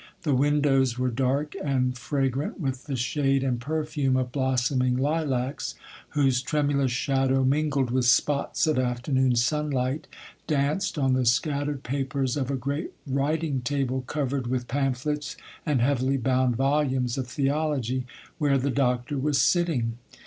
The windows were dark and fragrant with the shade and perfume of blossoming lilacs, whose tremulous shadow, mingled with spots of afternoon sunlight, danced on the scattered papers of a great writing table covered with pamphlets and heavily bound volumes of theology, where the Doctor was sitting.